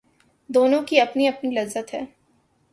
دونوں کی اپنی اپنی لذت ہے